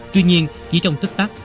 tuy nhiên chỉ trong tức tắc